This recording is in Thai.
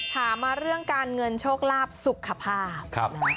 ถามมาเรื่องการเงินโชคลาภสุขภาพ